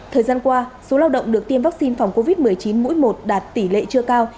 thời gian qua số lao động được tiêm vaccine phòng covid một mươi chín mũi một đạt tỷ lệ chưa cao